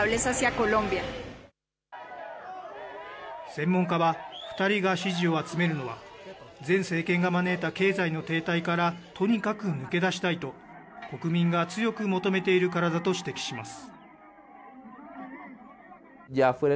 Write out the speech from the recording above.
専門家は、２人が支持を集めるのは、前政権が招いた経済の停滞からとにかく抜け出したいと、国民が強く求めているからだと指摘します。